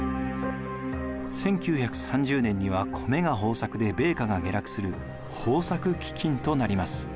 １９３０年には米が豊作で米価が下落する豊作飢饉となります。